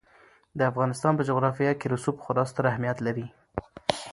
د افغانستان په جغرافیه کې رسوب خورا ستر اهمیت لري.